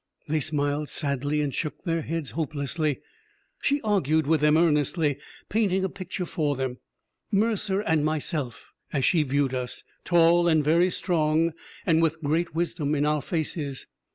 They smiled sadly, and shook their heads hopelessly. She argued with them earnestly, painting a picture for them: Mercer and myself, as she viewed us, tall and very strong and with great wisdom in our faces.